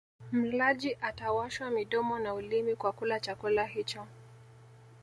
Mlaji atawashwa midomo na ulimi kwa kula chakula hicho